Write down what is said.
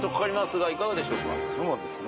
「そうですね。